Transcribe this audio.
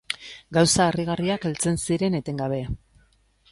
Gauza harrigarriak heltzen ziren etengabe.